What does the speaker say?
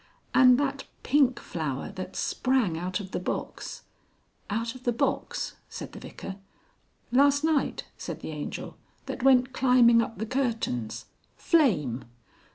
"And that pink flower that sprang out of the box " "Out of the box?" said the Vicar. "Last night," said the Angel, "that went climbing up the curtains Flame!"